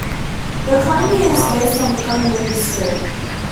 The economy is based on the cotton industry.